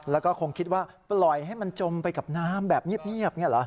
แล้วก็คงคิดว่าปล่อยให้มันจมไปกับน้ำแบบเงียบ